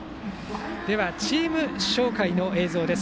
ではチーム紹介の映像です。